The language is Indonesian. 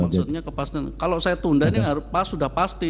maksudnya kepastian kalau saya tunda ini pas sudah pasti